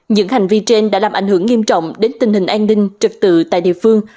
những hành vi trên đã làm ảnh hưởng nghiêm trọng đến tình hình an ninh trực tự tại địa phương